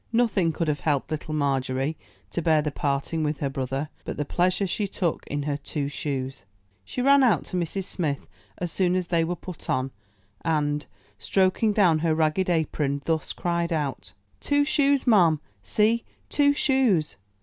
Nothing could have helped Little Margery to bear the parting with her brother but the pleasure she took in her two shoes. She ran out to Mrs. Smith as soon as they were put on, and, stroking down her ragged apron, thus cried out, *Two shoes, ma'am, see two shoes."